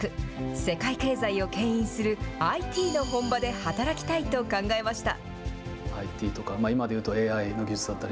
世界経済をけん引するＩＴの本場で働きたいと考えました。